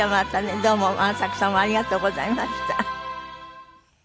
どうも万作さんもありがとうございました。